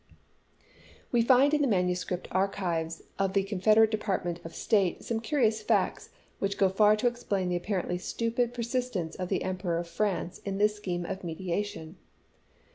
We find in the manuscript archives of the Con federate Department of State some curious facts Slidell to ••■ BeAjamiD, which go far to explain the apparently stupid per ^ confed^* sistence of the Emperor of France in this scheme of mediation.